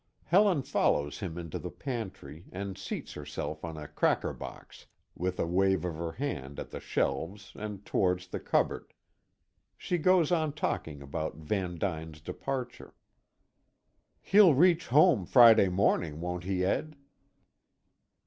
Helen follows him into the pantry, and seats herself on a cracker box, with a wave of her hand at the shelves and towards the cupboard. She goes on talking about Van Duyn's departure. "He'll reach home Friday morning, won't he, Ed?"